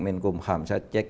bin kum ham saya sudah cek